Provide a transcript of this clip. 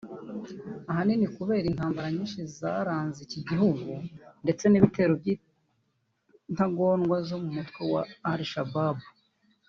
ahanini kubera intambara nyinshi zaranze iki gihugu ndetse n’ibitero by’intagondwa zo mu mutwe wa Al Shabab